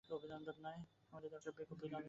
আমাদের দরকার ব্রেক, অভিনন্দন নয়।